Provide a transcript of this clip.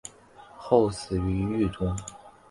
后死于狱中。